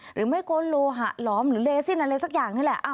หรือไม่โกนโลหะหลอมหรือเลสินอะไรสักอย่างนี่แหละ